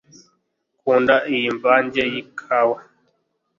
Nkunda iyi mvange yikawa